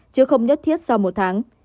chứ không nhất thiết sau một tháng